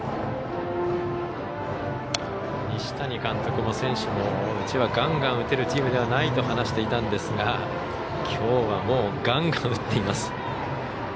西谷監督も選手もうちはガンガン打てるチームではないと話していたんですがきょうは、もうガンガン打っています。